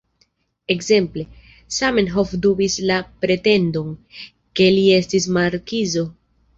Ekzemple: "Zamenhof dubis la pretendon, ke li estis markizo.